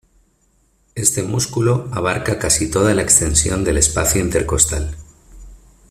Este músculo abarca casi toda la extensión del espacio intercostal.